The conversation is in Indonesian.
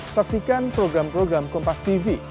saksikan program program kompastv